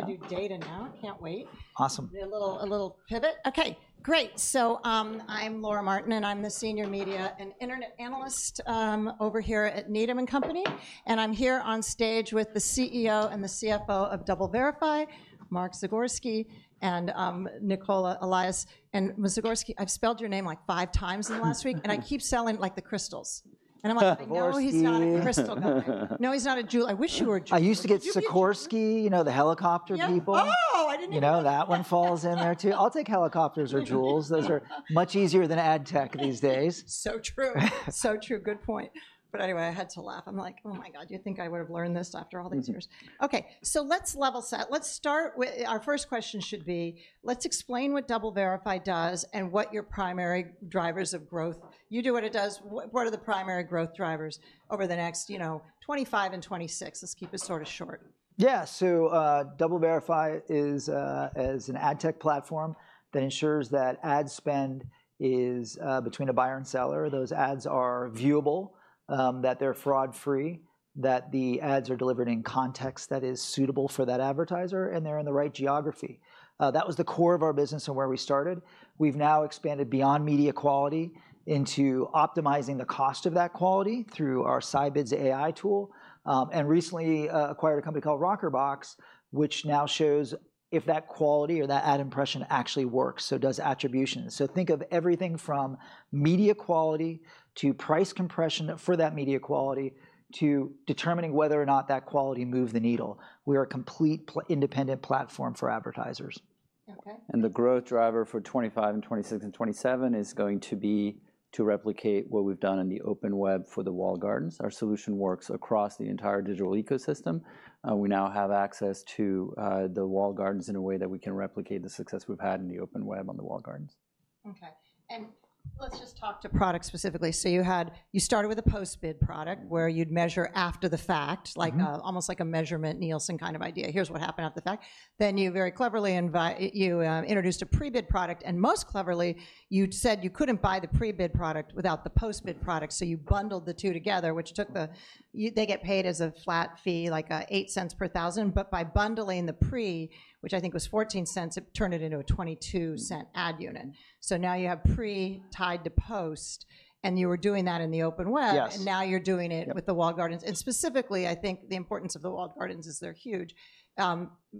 We're going to do data now. Can't wait. Awesome. A little pivot. Okay, great. I am Laura Martin, and I am the Senior Media and Internet Analyst over here at Needham & Company. I am here on stage with the CEO and the CFO of DoubleVerify, Mark Zagorski and Nicola Allais. Zagorski, I have spelled your name like five times in the last week, and I keep selling like the crystals. I am like, no, he is not a crystal company. No, he is not a jewel. I wish you were a jewel. I used to get Zagorski, you know, the helicopter people. Yeah. Oh, I didn't even know that. You know, that one falls in there too. I'll take helicopters or jewels. Those are much easier than ad tech these days. So true. So true. Good point. Anyway, I had to laugh. I'm like, oh my God, you think I would have learned this after all these years? Okay, let's level set. Let's start with our first question should be, let's explain what DoubleVerify does and what your primary drivers of growth are. You do what it does. What are the primary growth drivers over the next, you know, 2025 and 2026? Let's keep it sort of short. Yeah. DoubleVerify is an ad tech platform that ensures that ad spend is between a buyer and seller. Those ads are viewable, that they're fraud-free, that the ads are delivered in context that is suitable for that advertiser, and they're in the right geography. That was the core of our business and where we started. We have now expanded beyond media quality into optimizing the cost of that quality through our Scibids AI tool. We recently acquired a company called RockerBox, which now shows if that quality or that ad impression actually works. It does attribution. Think of everything from media quality to price compression for that media quality to determining whether or not that quality moves the needle. We are a complete independent platform for advertisers. Okay. The growth driver for 2025, and 2026, and 2027 is going to be to replicate what we've done in the open web for the wall gardens. Our solution works across the entire digital ecosystem. We now have access to the wall gardens in a way that we can replicate the success we've had in the open web on the wall gardens. Okay. Let's just talk to product specifically. You had, you started with a post-bid product where you'd measure after the fact, like almost like a measurement Nielsen kind of idea. Here's what happened after the fact. Then you very cleverly introduced a pre-bid product. Most cleverly, you said you couldn't buy the pre-bid product without the post-bid product. You bundled the two together, which took the, they get paid as a flat fee, like $0.08 per thousand. By bundling the pre, which I think was $0.14, it turned it into a $0.22 ad unit. Now you have pre tied to post, and you were doing that in the open web. Now you're doing it with the wall gardens. Specifically, I think the importance of the wall gardens is they're huge.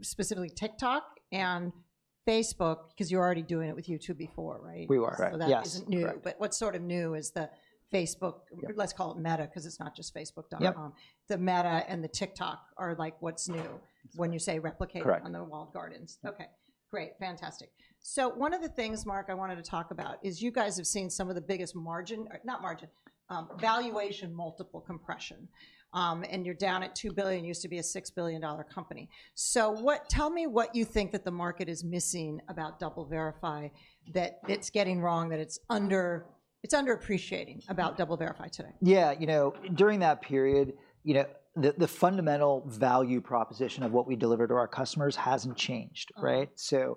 Specifically TikTok and Facebook, because you're already doing it with YouTube before, right? We were. That is not new. What is sort of new is the Facebook, let's call it Meta, because it is not just Facebook.com. The Meta and the TikTok are what is new when you say replicate on the wall gardens. Okay. Great. Fantastic. One of the things, Mark, I wanted to talk about is you guys have seen some of the biggest margin, not margin, valuation multiple compression. You are down at $2 billion. It used to be a $6 billion company. Tell me what you think the market is missing about DoubleVerify, that it is getting wrong, that it is underappreciating about DoubleVerify today. Yeah. You know, during that period, you know, the fundamental value proposition of what we deliver to our customers hasn't changed, right? So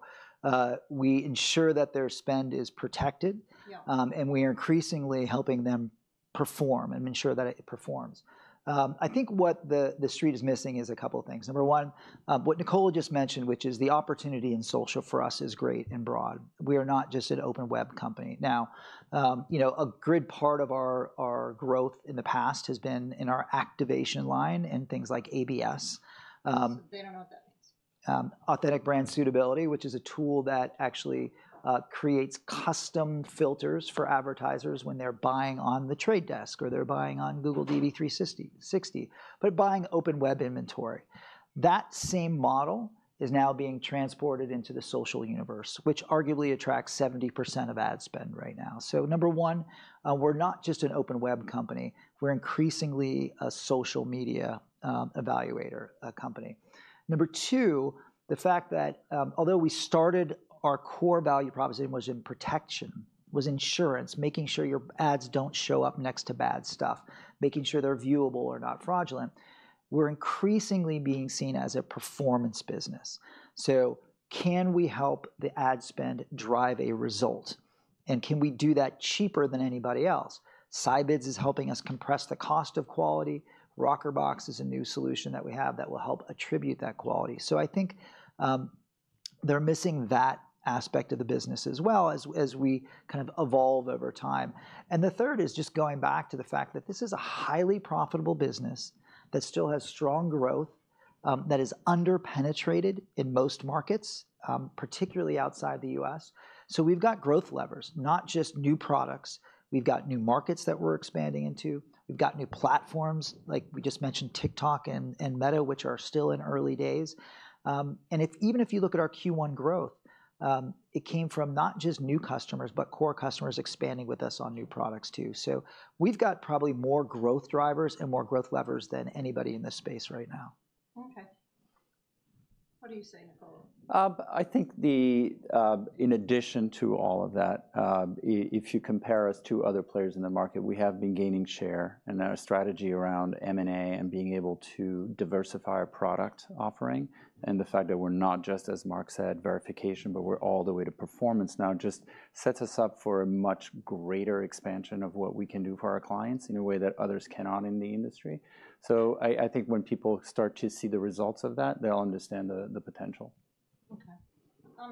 we ensure that their spend is protected, and we are increasingly helping them perform and ensure that it performs. I think what the street is missing is a couple of things. Number one, what Nicola just mentioned, which is the opportunity in social for us is great and broad. We are not just an open web company. Now, you know, a great part of our growth in the past has been in our activation line and things like ABS. I don't know what that means. Authentic Brand Suitability, which is a tool that actually creates custom filters for advertisers when they're buying on the Trade Desk or they're buying on Google DV360, but buying open web inventory. That same model is now being transported into the social universe, which arguably attracts 70% of ad spend right now. Number one, we're not just an open web company. We're increasingly a social media evaluator company. Number two, the fact that although we started, our core value proposition was in protection, was insurance, making sure your ads don't show up next to bad stuff, making sure they're viewable or not fraudulent. We're increasingly being seen as a performance business. Can we help the ad spend drive a result? Can we do that cheaper than anybody else? Scibids is helping us compress the cost of quality. RockerBox is a new solution that we have that will help attribute that quality. I think they're missing that aspect of the business as well as we kind of evolve over time. The third is just going back to the fact that this is a highly profitable business that still has strong growth, that is underpenetrated in most markets, particularly outside the US. We have growth levers, not just new products. We have new markets that we're expanding into. We have new platforms, like we just mentioned, TikTok and Meta, which are still in early days. Even if you look at our Q1 growth, it came from not just new customers, but core customers expanding with us on new products too. We have probably more growth drivers and more growth levers than anybody in this space right now. Okay. What do you say, Nicola? I think in addition to all of that, if you compare us to other players in the market, we have been gaining share in our strategy around M&A and being able to diversify our product offering. The fact that we're not just, as Mark said, verification, but we're all the way to performance now just sets us up for a much greater expansion of what we can do for our clients in a way that others cannot in the industry. I think when people start to see the results of that, they'll understand the potential. Okay.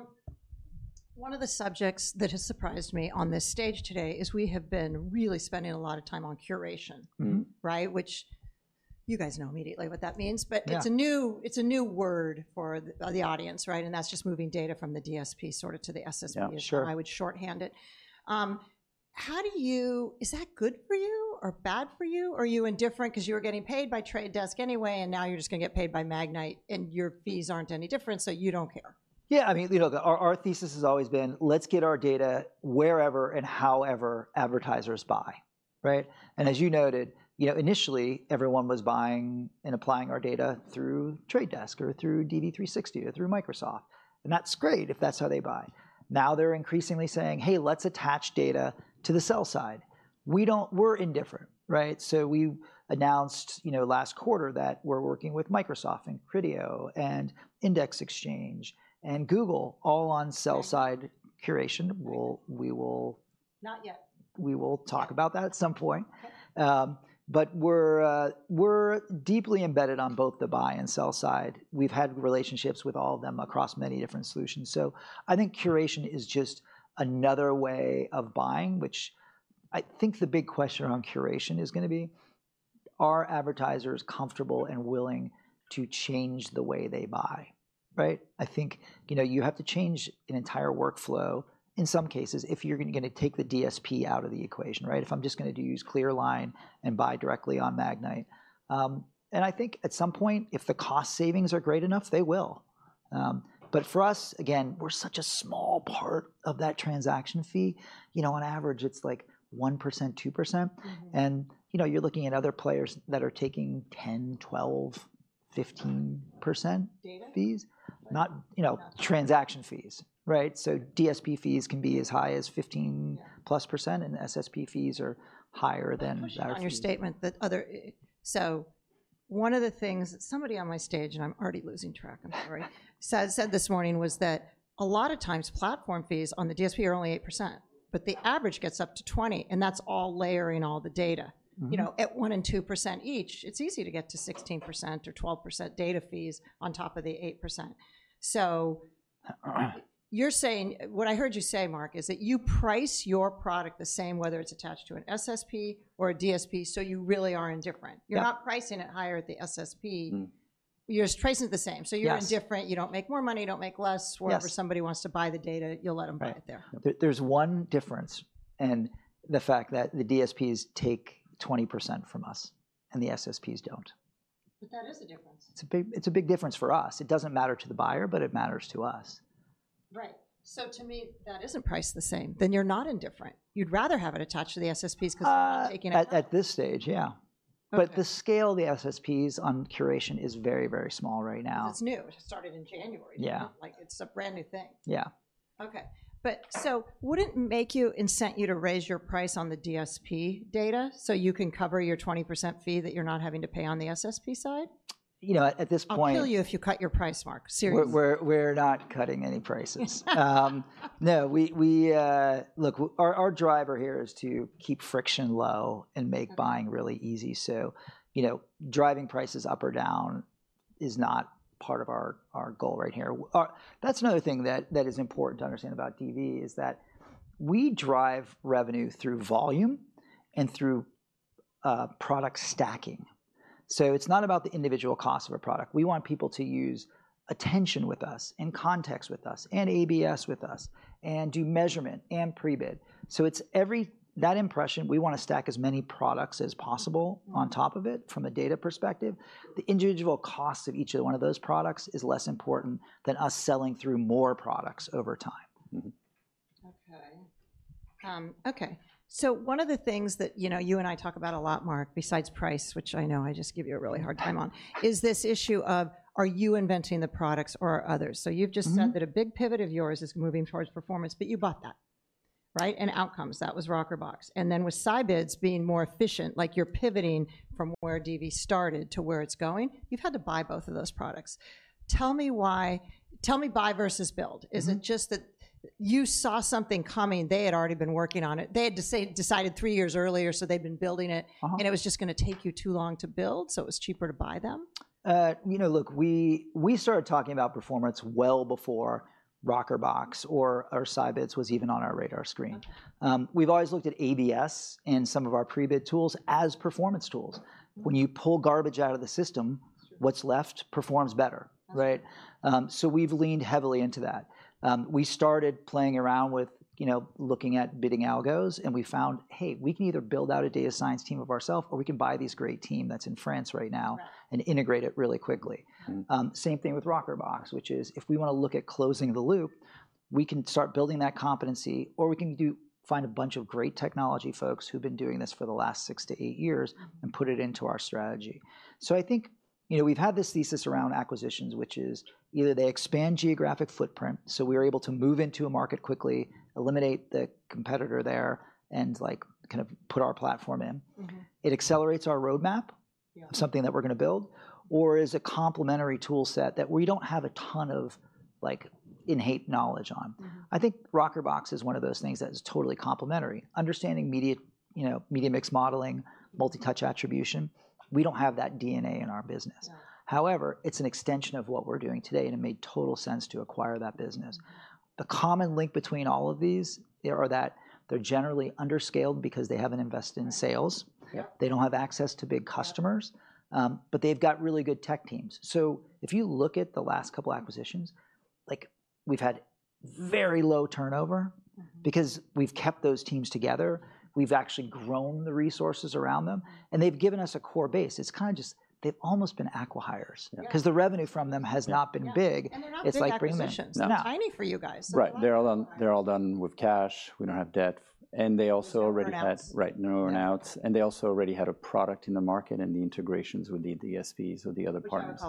One of the subjects that has surprised me on this stage today is we have been really spending a lot of time on curation, right? Which you guys know immediately what that means, but it's a new word for the audience, right? And that's just moving data from the DSP sort of to the SSP. I would shorthand it. How do you, is that good for you or bad for you? Are you indifferent because you were getting paid by Trade Desk anyway, and now you're just going to get paid by Magnite, and your fees aren't any different, so you don't care? Yeah. I mean, you know, our thesis has always been, let's get our data wherever and however advertisers buy, right? And as you noted, you know, initially everyone was buying and applying our data through Trade Desk or through DV360 or through Microsoft. And that's great if that's how they buy. Now they're increasingly saying, hey, let's attach data to the sell side. We don't, we're indifferent, right? So we announced, you know, last quarter that we're working with Microsoft and Criteo and Index Exchange and Google all on sell side curation. We will. Not yet. We will talk about that at some point. We are deeply embedded on both the buy and sell side. We have had relationships with all of them across many different solutions. I think curation is just another way of buying, which I think the big question around curation is going to be, are advertisers comfortable and willing to change the way they buy, right? I think, you know, you have to change an entire workflow in some cases if you are going to take the DSP out of the equation, right? If I am just going to use Clearline and buy directly on Magnite. I think at some point, if the cost savings are great enough, they will. For us, again, we are such a small part of that transaction fee. On average, it is like 1%, 2%. You know, you're looking at other players that are taking 10%, 12%, 15% fees, not, you know, transaction fees, right? DSP fees can be as high as 15% plus, and SSP fees are higher than that. On your statement that other, so one of the things that somebody on my stage, and I'm already losing track, I'm sorry, said this morning was that a lot of times platform fees on the DSP are only 8%, but the average gets up to 20%, and that's all layering all the data. You know, at 1% and 2% each, it's easy to get to 16% or 12% data fees on top of the 8%. You are saying, what I heard you say, Mark, is that you price your product the same, whether it's attached to an SSP or a DSP, so you really are indifferent. You're not pricing it higher at the SSP. You're just pricing it the same. You are indifferent. You don't make more money. You don't make less. Wherever somebody wants to buy the data, you'll let them buy it there. There's one difference, and the fact that the DSPs take 20% from us and the SSPs don't. That is a difference. It's a big difference for us. It doesn't matter to the buyer, but it matters to us. Right. So to me, that isn't priced the same. Then you're not indifferent. You'd rather have it attached to the SSPs because they're taking it. At this stage, yeah. The scale of the SSPs on curation is very, very small right now. It's new. It started in January. Like it's a brand new thing. Yeah. Okay. But so would not it make you incent you to raise your price on the DSP data so you can cover your 20% fee that you are not having to pay on the SSP side? You know, at this point. I'll kill you if you cut your price, Mark. Seriously. We're not cutting any prices. No, look, our driver here is to keep friction low and make buying really easy. You know, driving prices up or down is not part of our goal right here. That's another thing that is important to understand about DV is that we drive revenue through volume and through product stacking. It's not about the individual cost of a product. We want people to use attention with us and context with us and ABS with us and do measurement and pre-bid. Every impression, we want to stack as many products as possible on top of it from a data perspective. The individual cost of each one of those products is less important than us selling through more products over time. Okay. Okay. So one of the things that, you know, you and I talk about a lot, Mark, besides price, which I know I just give you a really hard time on, is this issue of are you inventing the products or are others? You have just said that a big pivot of yours is moving towards performance, but you bought that, right? And outcomes, that was RockerBox. And then with Scibids being more efficient, like you are pivoting from where DV started to where it is going, you have had to buy both of those products. Tell me why, tell me buy versus build. Is it just that you saw something coming, they had already been working on it, they had decided three years earlier, so they had been building it, and it was just going to take you too long to build, so it was cheaper to buy them? You know, look, we started talking about performance well before RockerBox or Scibids was even on our radar screen. We've always looked at ABS and some of our pre-bid tools as performance tools. When you pull garbage out of the system, what's left performs better, right? We have leaned heavily into that. We started playing around with, you know, looking at bidding algos, and we found, hey, we can either build out a data science team ourselves, or we can buy this great team that's in France right now and integrate it really quickly. Same thing with RockerBox, which is if we want to look at closing the loop, we can start building that competency, or we can find a bunch of great technology folks who've been doing this for the last six to eight years and put it into our strategy. I think, you know, we've had this thesis around acquisitions, which is either they expand geographic footprint, so we're able to move into a market quickly, eliminate the competitor there, and like kind of put our platform in. It accelerates our roadmap, something that we're going to build, or is a complementary toolset that we don't have a ton of like in-house knowledge on. I think RockerBox is one of those things that is totally complementary. Understanding media mix modeling, multi-touch attribution, we don't have that DNA in our business. However, it's an extension of what we're doing today, and it made total sense to acquire that business. The common link between all of these is that they're generally underscaled because they haven't invested in sales. They don't have access to big customers, but they've got really good tech teams. If you look at the last couple of acquisitions, like we've had very low turnover because we've kept those teams together. We've actually grown the resources around them, and they've given us a core base. It's kind of just, they've almost been acquirers because the revenue from them has not been big. They're not big acquisitions. They're tiny for you guys. Right. They're all done with cash. We don't have debt. They also already had, right, no earnouts. They also already had a product in the market and the integrations with the DSPs or the other partners.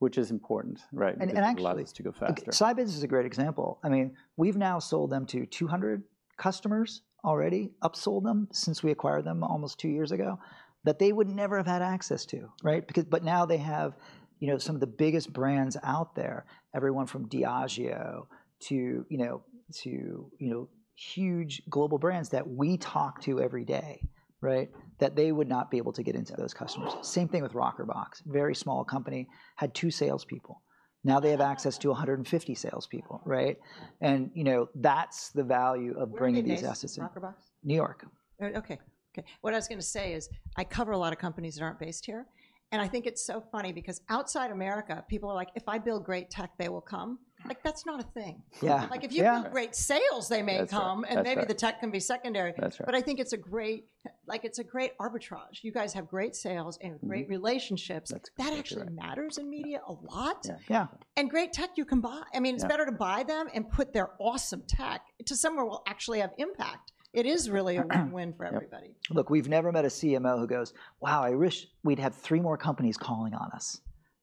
Which is important, right? Actually allowed us to go faster. Scibids is a great example. I mean, we've now sold them to 200 customers already, upsold them since we acquired them almost two years ago that they would never have had access to, right? Now they have, you know, some of the biggest brands out there, everyone from Diageo to, you know, to, you know, huge global brands that we talk to every day, right? That they would not be able to get into those customers. Same thing with RockerBox. Very small company, had two salespeople. Now they have access to 150 salespeople, right? You know, that's the value of bringing these assets in. Where is RockerBox? New York. Okay. Okay. What I was going to say is I cover a lot of companies that aren't based here. I think it's so funny because outside America, people are like, if I build great tech, they will come. Like that's not a thing. Like if you build great sales, they may come, and maybe the tech can be secondary. I think it's a great, like it's a great arbitrage. You guys have great sales and great relationships. That actually matters in media a lot. Yeah. And great tech, you can buy. I mean, it's better to buy them and put their awesome tech to somewhere we'll actually have impact. It is really a win-win for everybody. Look, we've never met a CMO who goes, wow, I wish we'd have three more companies calling on us,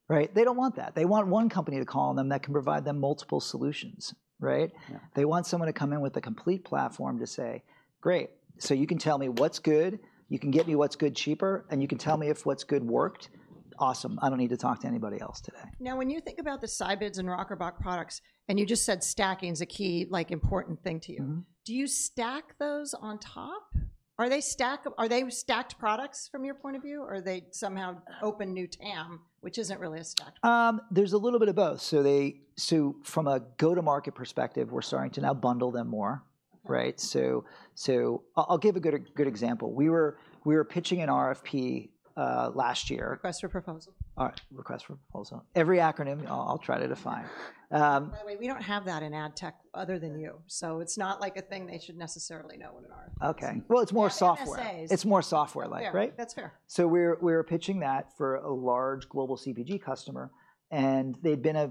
right? They don't want that. They want one company to call on them that can provide them multiple solutions, right? They want someone to come in with a complete platform to say, great, so you can tell me what's good, you can get me what's good cheaper, and you can tell me if what's good worked. Awesome. I don't need to talk to anybody else today. Now, when you think about the Scibids and RockerBox products, and you just said stacking is a key, like important thing to you, do you stack those on top? Are they stacked products from your point of view, or are they somehow open new TAM, which isn't really a stacked product? There's a little bit of both. From a go-to-market perspective, we're starting to now bundle them more, right? I'll give a good example. We were pitching an RFP last year. Request for proposal. Request for proposal. Every acronym, I'll try to define. By the way, we don't have that in ad tech other than you. So it's not like a thing they should necessarily know what an RFP is. Okay. It's more software. It's more software-like, right? Yeah. That's fair. We're pitching that for a large global CPG customer, and they've been a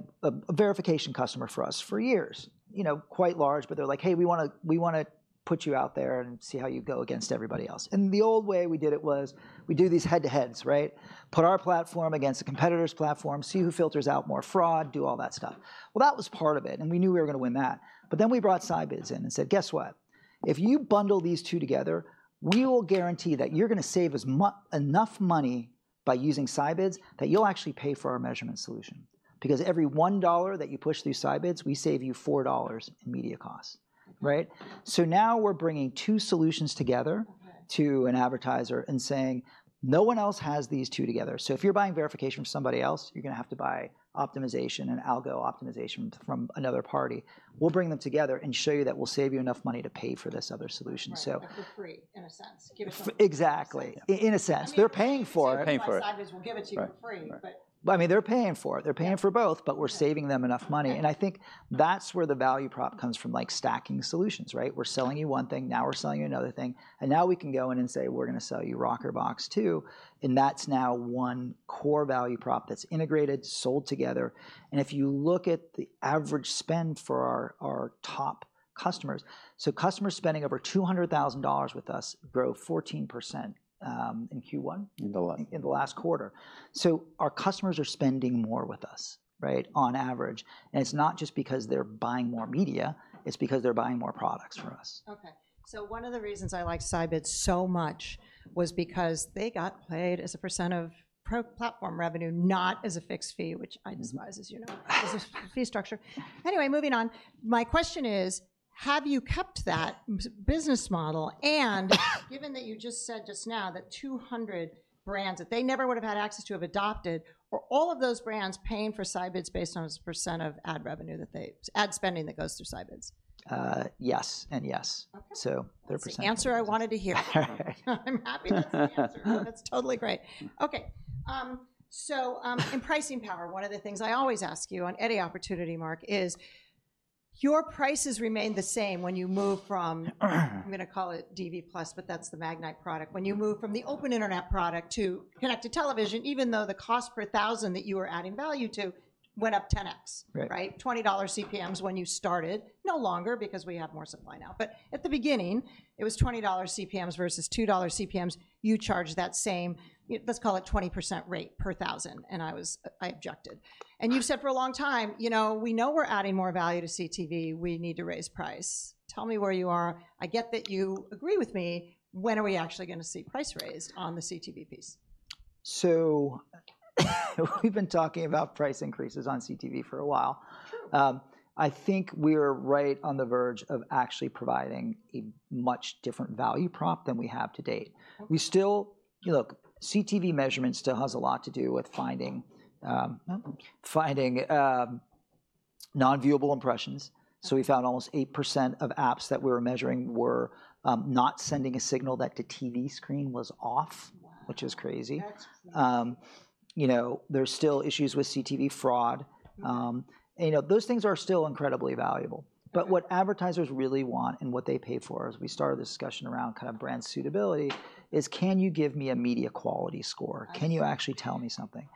verification customer for us for years. You know, quite large, but they're like, hey, we want to put you out there and see how you go against everybody else. The old way we did it was we do these head-to-heads, right? Put our platform against the competitor's platform, see who filters out more fraud, do all that stuff. That was part of it, and we knew we were going to win that. Then we brought Scibids in and said, guess what? If you bundle these two together, we will guarantee that you're going to save enough money by using Scibids that you'll actually pay for our measurement solution. Because every $1 that you push through Scibids, we save you $4 in media costs, right? Now we're bringing two solutions together to an advertiser and saying, no one else has these two together. If you're buying verification from somebody else, you're going to have to buy optimization and algo optimization from another party. We'll bring them together and show you that we'll save you enough money to pay for this other solution. That's for free in a sense. Exactly. In a sense, they're paying for it. Scibids will give it to you for free. I mean, they're paying for it. They're paying for both, but we're saving them enough money. I think that's where the value prop comes from, like stacking solutions, right? We're selling you one thing, now we're selling you another thing. Now we can go in and say, we're going to sell you RockerBox too. That's now one core value prop that's integrated, sold together. If you look at the average spend for our top customers, so customers spending over $200,000 with us, grow 14% in Q1, in the last quarter. Our customers are spending more with us, right, on average. It's not just because they're buying more media, it's because they're buying more products for us. Okay. One of the reasons I liked Scibids so much was because they got paid as a % of platform revenue, not as a fixed fee, which I despise, as you know, as a fee structure. Anyway, moving on. My question is, have you kept that business model? And given that you just said just now that 200 brands that they never would have had access to have adopted, are all of those brands paying for Scibids based on a % of ad revenue that they ad spending that goes through Scibids? Yes and yes. They're percent. The answer I wanted to hear. I'm happy that's the answer. That's totally great. Okay. In pricing power, one of the things I always ask you on any opportunity, Mark, is your prices remain the same when you move from, I'm going to call it DV Plus, but that's the Magnite product, when you move from the open internet product to connected television, even though the cost per thousand that you were adding value to went up 10X, right? $20 CPMs when you started, no longer because we have more supply now. At the beginning, it was $20 CPMs versus $2 CPMs. You charge that same, let's call it 20% rate per thousand. I objected. You've said for a long time, you know, we know we're adding more value to CTV. We need to raise price. Tell me where you are. I get that you agree with me. When are we actually going to see price raised on the CTV piece? We've been talking about price increases on CTV for a while. I think we are right on the verge of actually providing a much different value prop than we have to date. We still, look, CTV measurement still has a lot to do with finding non-viewable impressions. We found almost 8% of apps that we were measuring were not sending a signal that the TV screen was off, which is crazy. You know, there's still issues with CTV fraud. You know, those things are still incredibly valuable. What advertisers really want and what they pay for, as we started the discussion around kind of brand suitability, is can you give me a media quality score? Can you actually tell me something?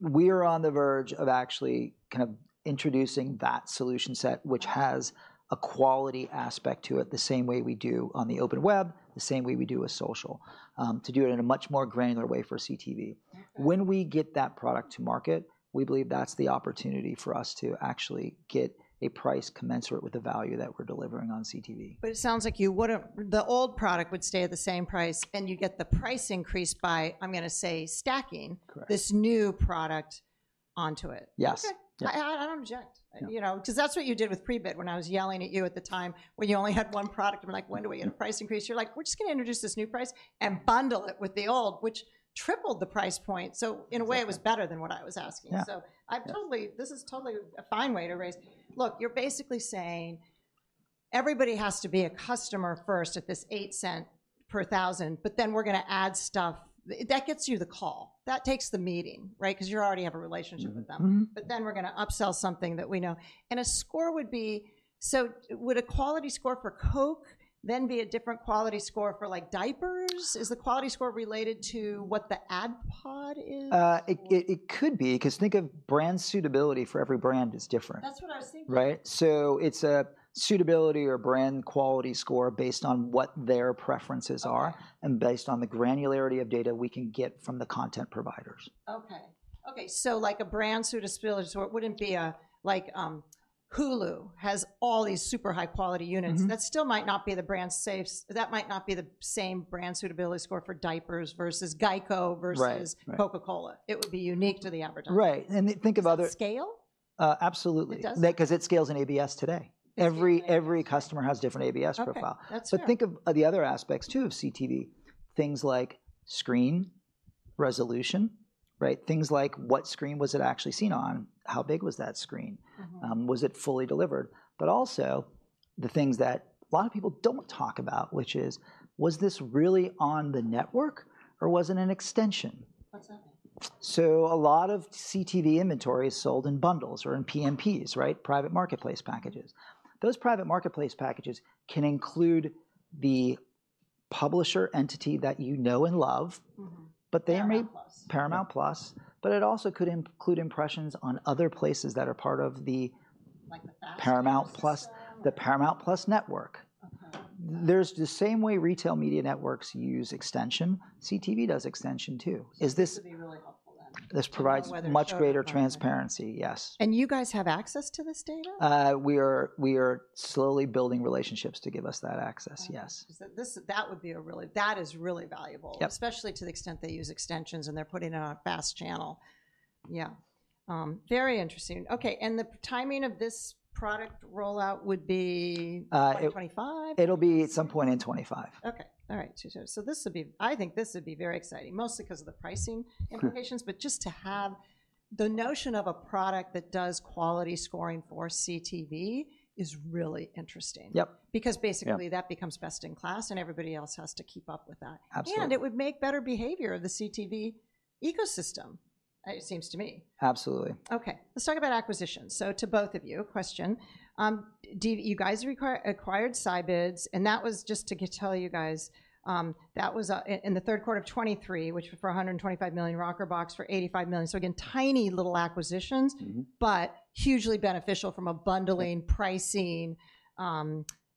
We are on the verge of actually kind of introducing that solution set, which has a quality aspect to it the same way we do on the open web, the same way we do with social, to do it in a much more granular way for CTV. When we get that product to market, we believe that's the opportunity for us to actually get a price commensurate with the value that we're delivering on CTV. It sounds like you wouldn't, the old product would stay at the same price and you get the price increase by, I'm going to say, stacking this new product onto it. Yes. Okay. I don't object. You know, because that's what you did with pre-bid when I was yelling at you at the time when you only had one product. I'm like, when do we get a price increase? You're like, we're just going to introduce this new price and bundle it with the old, which tripled the price point. In a way, it was better than what I was asking. I've totally, this is totally a fine way to raise. Look, you're basically saying everybody has to be a customer first at this $0.08 per thousand, but then we're going to add stuff that gets you the call. That takes the meeting, right? You already have a relationship with them. We're going to upsell something that we know. A score would be, so would a quality score for Coke then be a different quality score for like diapers? Is the quality score related to what the ad pod is? It could be. Because think of brand suitability for every brand is different. That's what I was thinking. Right? So it's a suitability or brand quality score based on what their preferences are and based on the granularity of data we can get from the content providers. Okay. Okay. So like a brand suitability score, it wouldn't be like Hulu has all these super high-quality units. That still might not be the brand safe. That might not be the same brand suitability score for diapers versus Geico versus Coca-Cola. It would be unique to the advertiser. Right. Think of other. Scale? Absolutely. Because it scales in ABS today. Every customer has a different ABS profile. Think of the other aspects too of CTV. Things like screen resolution, right? Things like what screen was it actually seen on? How big was that screen? Was it fully delivered? Also the things that a lot of people do not talk about, which is, was this really on the network or was it an extension? What's that mean? A lot of CTV inventory is sold in bundles or in PMPs, right? Private marketplace packages. Those private marketplace packages can include the publisher entity that you know and love, but they may. Paramount Plus. Paramount Plus. It also could include impressions on other places that are part of the Paramount Plus network. The same way retail media networks use extension, CTV does extension too. This would be really helpful then. This provides much greater transparency, yes. You guys have access to this data? We are slowly building relationships to give us that access, yes. That would be really, that is really valuable, especially to the extent they use extensions and they're putting it on a FAST channel. Yeah. Very interesting. Okay. The timing of this product rollout would be 2025? It'll be at some point in 2025. Okay. All right. This would be, I think this would be very exciting, mostly because of the pricing implications, but just to have the notion of a product that does quality scoring for CTV is really interesting. Because basically that becomes best in class and everybody else has to keep up with that. It would make better behavior of the CTV ecosystem, it seems to me. Absolutely. Okay. Let's talk about acquisitions. To both of you, question. You guys acquired Scibids, and that was just to tell you guys, that was in the third quarter of 2023, which was for $125 million, RockerBox for $85 million. Again, tiny little acquisitions, but hugely beneficial from a bundling pricing,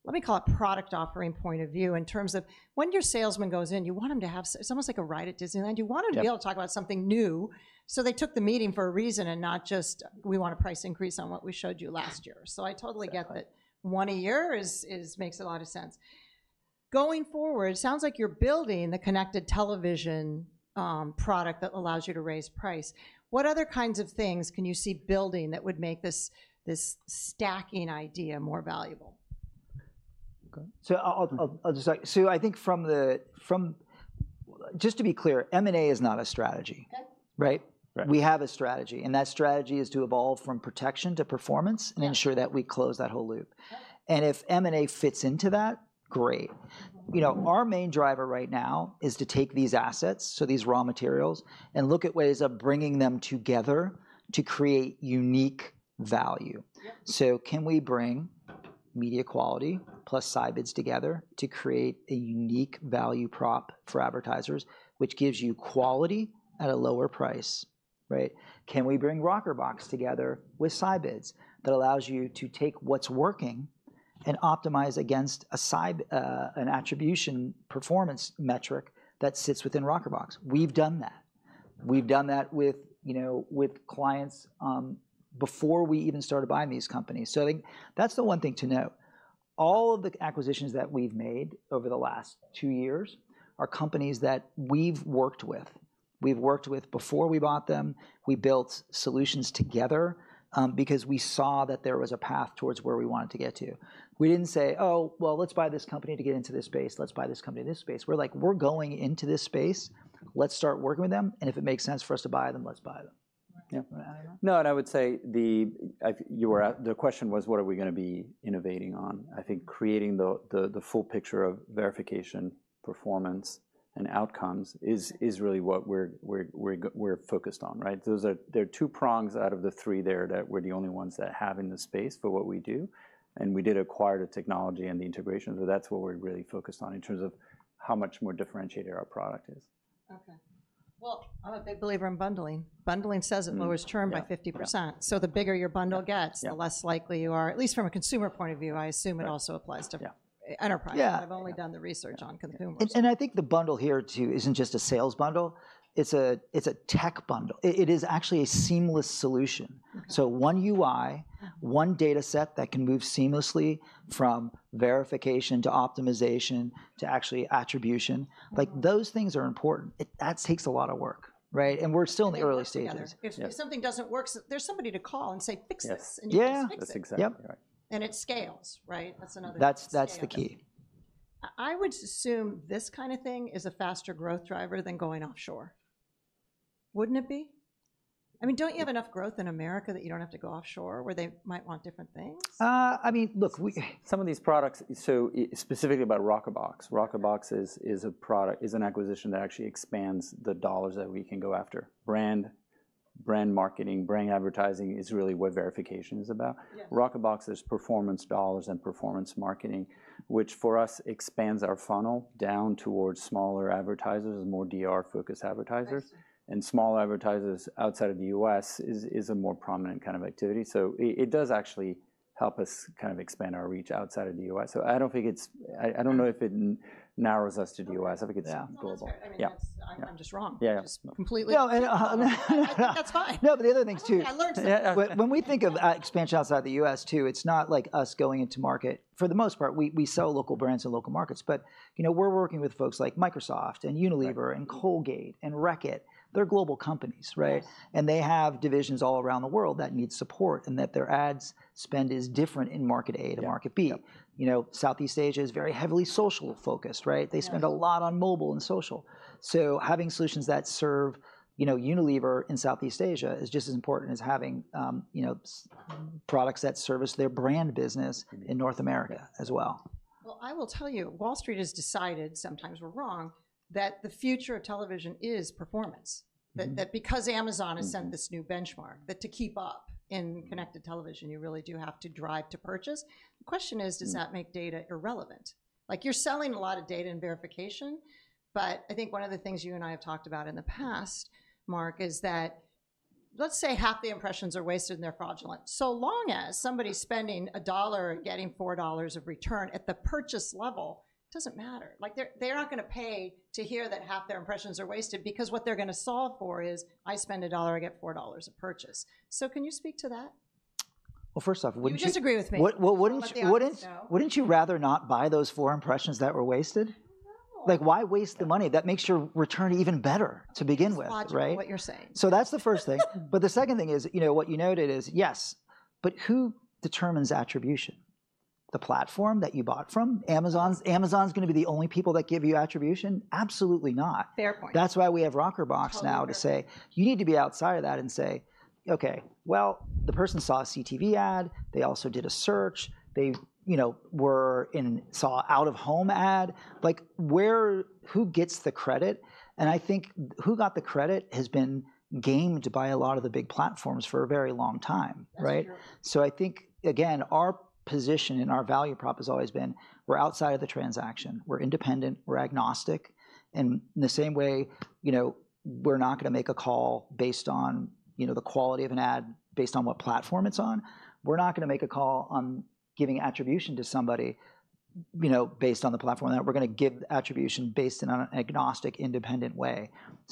let me call it product offering point of view in terms of when your salesman goes in, you want him to have, it's almost like a ride at Disneyland. You want him to be able to talk about something new. They took the meeting for a reason and not just, we want a price increase on what we showed you last year. I totally get that one a year makes a lot of sense. Going forward, it sounds like you're building the connected television product that allows you to raise price. What other kinds of things can you see building that would make this stacking idea more valuable? I'll just say, I think from the, just to be clear, M&A is not a strategy, right? We have a strategy. That strategy is to evolve from protection to performance and ensure that we close that whole loop. If M&A fits into that, great. You know, our main driver right now is to take these assets, these raw materials, and look at ways of bringing them together to create unique value. Can we bring media quality plus Scibids together to create a unique value prop for advertisers, which gives you quality at a lower price, right? Can we bring RockerBox together with Scibids that allows you to take what's working and optimize against an attribution performance metric that sits within RockerBox? We've done that. We've done that with clients before we even started buying these companies. I think that's the one thing to note. All of the acquisitions that we've made over the last two years are companies that we've worked with. We've worked with them before we bought them. We built solutions together because we saw that there was a path towards where we wanted to get to. We didn't say, oh, well, let's buy this company to get into this space. Let's buy this company in this space. We're like, we're going into this space. Let's start working with them. If it makes sense for us to buy them, let's buy them. Right. No, I would say the question was, what are we going to be innovating on? I think creating the full picture of verification, performance, and outcomes is really what we're focused on, right? There are two prongs out of the three there that we're the only ones that have in the space for what we do. We did acquire the technology and the integration, but that's what we're really focused on in terms of how much more differentiated our product is. Okay. I'm a big believer in bundling. Bundling says it lowers churn by 50%. The bigger your bundle gets, the less likely you are, at least from a consumer point of view. I assume it also applies to enterprise. I've only done the research on consumers. I think the bundle here too isn't just a sales bundle. It's a tech bundle. It is actually a seamless solution. One UI, one data set that can move seamlessly from verification to optimization to actually attribution. Like those things are important. That takes a lot of work, right? We're still in the early stages. If something doesn't work, there's somebody to call and say, fix this. You just fix it. Yeah, that's exactly right. It scales, right? That's another thing. That's the key. I would assume this kind of thing is a faster growth driver than going offshore. Wouldn't it be? I mean, don't you have enough growth in America that you don't have to go offshore where they might want different things? I mean, look, some of these products, so specifically about RockerBox, RockerBox is an acquisition that actually expands the dollars that we can go after. Brand, brand marketing, brand advertising is really what verification is about. RockerBox is performance dollars and performance marketing, which for us expands our funnel down towards smaller advertisers, more DR-focused advertisers. And smaller advertisers outside of the U.S. is a more prominent kind of activity. It does actually help us kind of expand our reach outside of the U.S. I do not think it narrows us to the U.S. I think it is global. Yeah. I'm just wrong. Completely. No. I think that's fine. No, but the other thing too. I learned something. When we think of expansion outside the U.S. too, it's not like us going into market. For the most part, we sell local brands in local markets. But you know, we're working with folks like Microsoft and Unilever and Colgate and Reckitt, they're global companies, right? And they have divisions all around the world that need support and that their ad spend is different in market A to market B. You know, Southeast Asia is very heavily social focused, right? They spend a lot on mobile and social. So having solutions that serve Unilever in Southeast Asia is just as important as having products that service their brand business in North America as well. I will tell you, Wall Street has decided, sometimes we're wrong, that the future of television is performance. That because Amazon has set this new benchmark, that to keep up in connected television, you really do have to drive to purchase. The question is, does that make data irrelevant? Like you're selling a lot of data and verification, but I think one of the things you and I have talked about in the past, Mark, is that let's say half the impressions are wasted and they're fraudulent. So long as somebody's spending $1 and getting $4 of return at the purchase level, it doesn't matter. Like they're not going to pay to hear that half their impressions are wasted because what they're going to solve for is, I spend $1, I get $4 a purchase. Can you speak to that? First off. You just agree with me. Wouldn't you rather not buy those four impressions that were wasted? Like why waste the money? That makes your return even better to begin with, right? That's what you're saying. That's the first thing. The second thing is, you know, what you noted is, yes, but who determines attribution? The platform that you bought from? Amazon's going to be the only people that give you attribution? Absolutely not. Fair point. That's why we have RockerBox now to say, you need to be outside of that and say, okay, well, the person saw a CTV ad, they also did a search, they were in, saw an out-of-home ad. Like where, who gets the credit? I think who got the credit has been gamed by a lot of the big platforms for a very long time, right? I think, again, our position and our value prop has always been, we're outside of the transaction. We're independent, we're agnostic. In the same way, you know, we're not going to make a call based on the quality of an ad based on what platform it's on. We're not going to make a call on giving attribution to somebody based on the platform. We're going to give attribution based on an agnostic, independent way.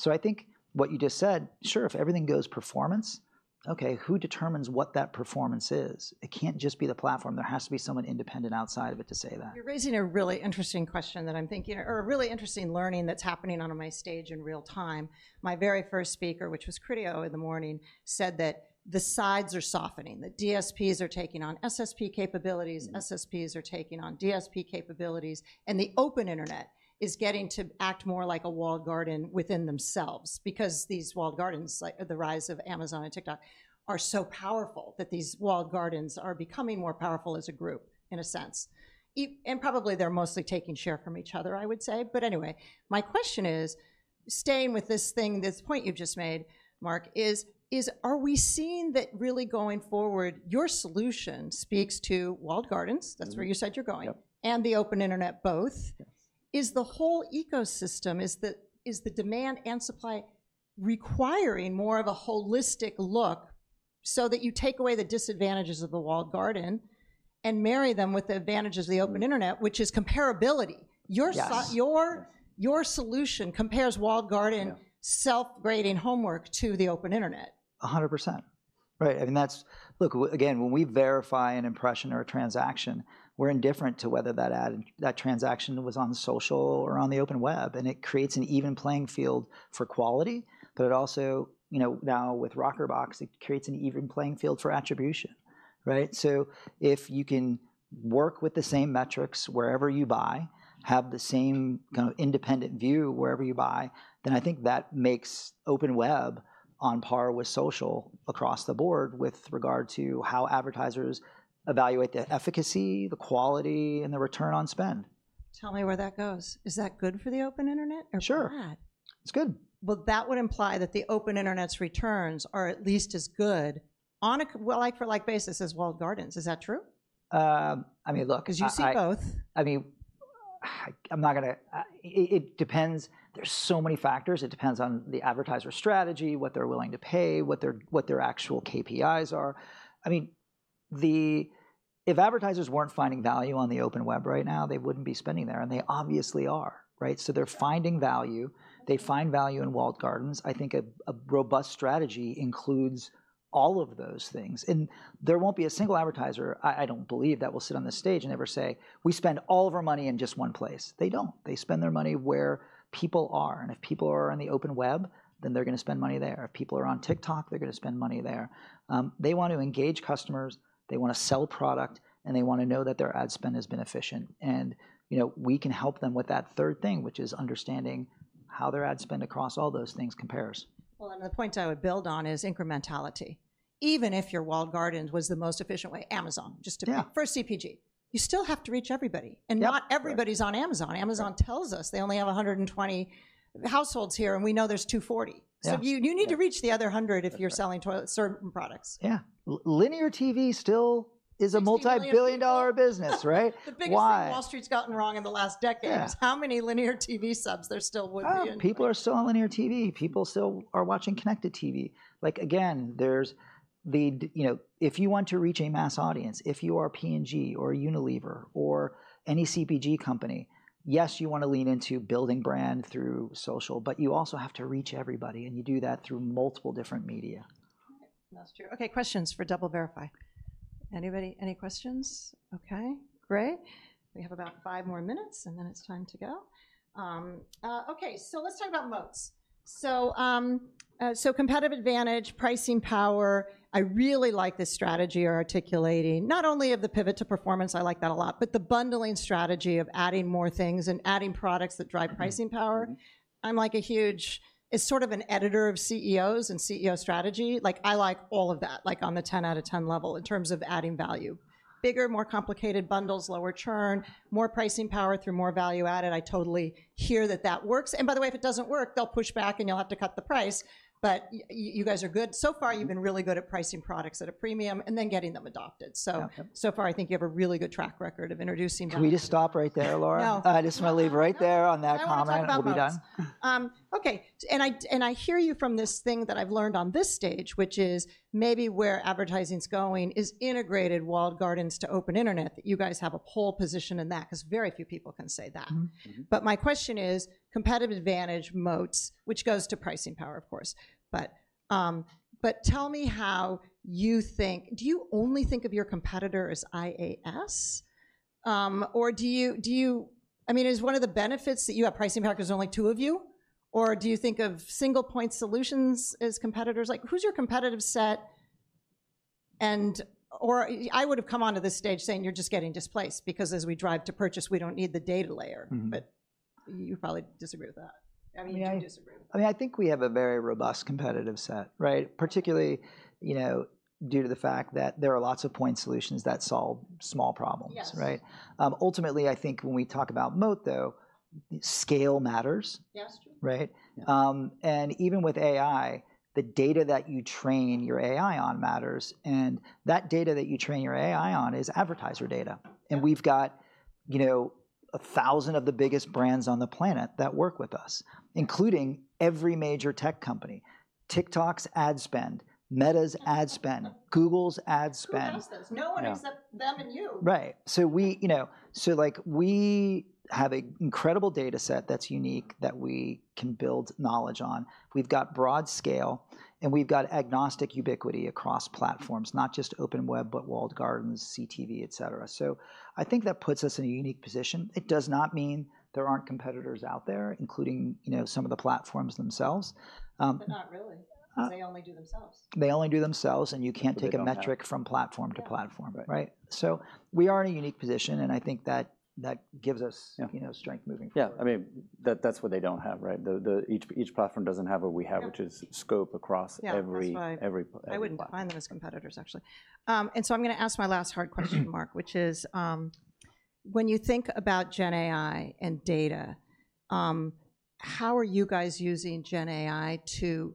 I think what you just said, sure, if everything goes performance, okay, who determines what that performance is? It can't just be the platform. There has to be someone independent outside of it to say that. You're raising a really interesting question that I'm thinking, or a really interesting learning that's happening on my stage in real time. My very first speaker, which was Criteo in the morning, said that the sides are softening. The DSPs are taking on SSP capabilities. SSPs are taking on DSP capabilities. The open internet is getting to act more like a walled garden within themselves. These walled gardens, the rise of Amazon and TikTok are so powerful that these walled gardens are becoming more powerful as a group in a sense. Probably they're mostly taking share from each other, I would say. Anyway, my question is, staying with this thing, this point you've just made, Mark, is, are we seeing that really going forward, your solution speaks to walled gardens? That's where you said you're going. And the open internet both. Is the whole ecosystem, is the demand and supply requiring more of a holistic look so that you take away the disadvantages of the walled garden and marry them with the advantages of the open internet, which is comparability? Your solution compares walled garden, self-grading homework to the open internet. 100%. Right. I mean, that's, look, again, when we verify an impression or a transaction, we're indifferent to whether that transaction was on social or on the open web. It creates an even playing field for quality. It also, you know, now with RockerBox, it creates an even playing field for attribution, right? If you can work with the same metrics wherever you buy, have the same kind of independent view wherever you buy, then I think that makes open web on par with social across the board with regard to how advertisers evaluate the efficacy, the quality, and the return on spend. Tell me where that goes. Is that good for the open internet or bad? Sure. It's good. That would imply that the open internet's returns are at least as good on a, well, like for like basis as walled gardens. Is that true? I mean, look. Because you see both. I mean, I'm not going to, it depends. There are so many factors. It depends on the advertiser strategy, what they're willing to pay, what their actual KPIs are. I mean, if advertisers were not finding value on the open web right now, they would not be spending there. They obviously are, right? They are finding value. They find value in walled gardens. I think a robust strategy includes all of those things. There will not be a single advertiser, I do not believe, that will sit on the stage and ever say, we spend all of our money in just one place. They do not. They spend their money where people are. If people are on the open web, then they are going to spend money there. If people are on TikTok, they are going to spend money there. They want to engage customers. They want to sell product. They want to know that their ad spend has been efficient. We can help them with that third thing, which is understanding how their ad spend across all those things compares. The point I would build on is incrementality. Even if your walled garden was the most efficient way, Amazon, just to be first CPG, you still have to reach everybody. Not everybody is on Amazon. Amazon tells us they only have 120 households here. We know there are 240. You need to reach the other 100 if you are selling certain products. Yeah. Linear TV still is a multi-billion dollar business, right? The biggest thing Wall Street's gotten wrong in the last decade is how many linear TV subs there still would be in the U.S. People are still on linear TV. People still are watching connected TV. Like again, there's the, you know, if you want to reach a mass audience, if you are P&G or Unilever or any CPG company, yes, you want to lean into building brand through social, but you also have to reach everybody. You do that through multiple different media. That's true. Okay. Questions for DoubleVerify. Anybody? Any questions? Okay. Great. We have about five more minutes and then it's time to go. Okay. Let's talk about moats. Competitive advantage, pricing power. I really like this strategy you're articulating. Not only the pivot to performance, I like that a lot, but the bundling strategy of adding more things and adding products that drive pricing power. I'm like a huge, it's sort of an editor of CEOs and CEO strategy. I like all of that, like on the 10 out of 10 level in terms of adding value. Bigger, more complicated bundles, lower churn, more pricing power through more value added. I totally hear that that works. By the way, if it doesn't work, they'll push back and you'll have to cut the price. You guys are good. So far, you've been really good at pricing products at a premium and then getting them adopted. So far, I think you have a really good track record of introducing. Can we just stop right there, Laura? No. I just want to leave right there on that comment. We'll be done. Okay. I hear you from this thing that I've learned on this stage, which is maybe where advertising's going is integrated walled gardens to open internet. You guys have a pole position in that because very few people can say that. My question is, competitive advantage moats, which goes to pricing power, of course. Tell me how you think, do you only think of your competitor as IAS? Or do you, I mean, is one of the benefits that you have pricing power because there's only two of you? Or do you think of single point solutions as competitors? Who's your competitive set? I would have come on to this stage saying you're just getting displaced because as we drive to purchase, we don't need the data layer. You probably disagree with that. I mean, you disagree with that. I mean, I think we have a very robust competitive set, right? Particularly, you know, due to the fact that there are lots of point solutions that solve small problems, right? Ultimately, I think when we talk about moat though, scale matters, right? Even with AI, the data that you train your AI on matters. That data that you train your AI on is advertiser data. We have, you know, a thousand of the biggest brands on the planet that work with us, including every major tech company. TikTok's ad spend, Meta's ad spend, Google's ad spend. Who does this? No one except them and you. Right. So we, you know, so like we have an incredible data set that's unique that we can build knowledge on. We've got broad scale and we've got agnostic ubiquity across platforms, not just open web, but walled gardens, CTV, et cetera. I think that puts us in a unique position. It does not mean there aren't competitors out there, including, you know, some of the platforms themselves. Not really. Because they only do themselves. They only do themselves and you can't take a metric from platform to platform, right? We are in a unique position and I think that gives us, you know, strength moving forward. Yeah. I mean, that's what they don't have, right? Each platform doesn't have what we have, which is scope across every. Yeah. That's right. I wouldn't define them as competitors, actually. I'm going to ask my last hard question, Mark, which is, when you think about Gen AI and data, how are you guys using Gen AI to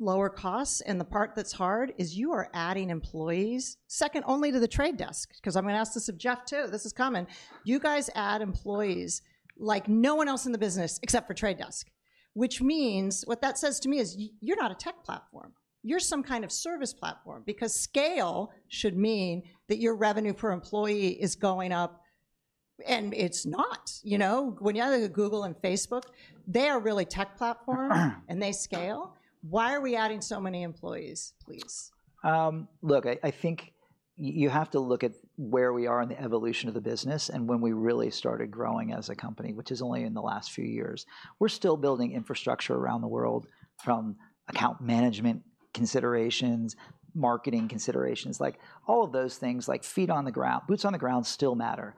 lower costs? The part that's hard is you are adding employees, second only to the Trade Desk, because I'm going to ask this of too. This is common. You guys add employees like no one else in the business except for Trade Desk. What that says to me is you're not a tech platform. You're some kind of service platform because scale should mean that your revenue per employee is going up and it's not, you know? When you add Google and Facebook, they are really tech platforms and they scale. Why are we adding so many employees, please? Look, I think you have to look at where we are in the evolution of the business and when we really started growing as a company, which is only in the last few years. We're still building infrastructure around the world from account management considerations, marketing considerations, like all of those things, like feet on the ground, boots on the ground still matter.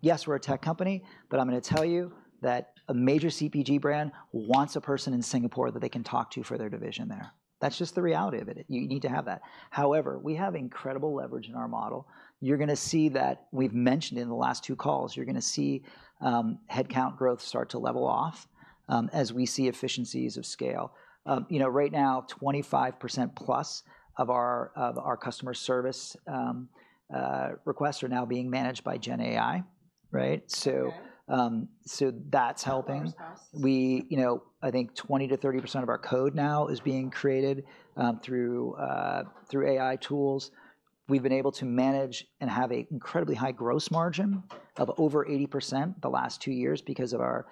Yes, we're a tech company, but I'm going to tell you that a major CPG brand wants a person in Singapore that they can talk to for their division there. That's just the reality of it. You need to have that. However, we have incredible leverage in our model. You're going to see that we've mentioned in the last two calls. You're going to see headcount growth start to level off as we see efficiencies of scale. You know, right now, 25%+ of our customer service requests are now being managed by Gen AI, right? So that's helping. We, you know, I think 20%-30% of our code now is being created through AI tools. We've been able to manage and have an incredibly high gross margin of over 80% the last two years because of our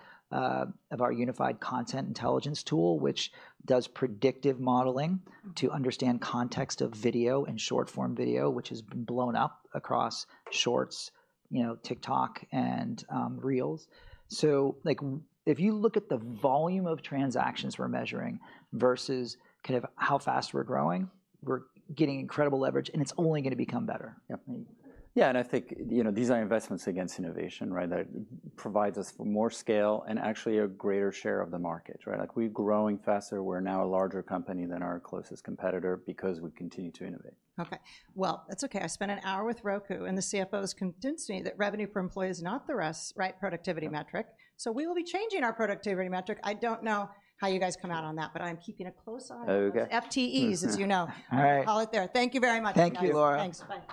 Unified Content Intelligence tool, which does predictive modeling to understand context of video and short form video, which has been blown up across Shorts, you know, TikTok and Reels. So like if you look at the volume of transactions we're measuring versus kind of how fast we're growing, we're getting incredible leverage and it's only going to become better. Yeah. I think, you know, these are investments against innovation, right? That provides us for more scale and actually a greater share of the market, right? Like we're growing faster. We're now a larger company than our closest competitor because we continue to innovate. Okay. That's okay. I spent an hour with Roku, and the CFO has convinced me that revenue per employee is not the right productivity metric. We will be changing our productivity metric. I do not know how you guys come out on that, but I'm keeping a close eye on FTEs, as you know. I'll call it there. Thank you very much. Thank you, Laura. Thanks very much.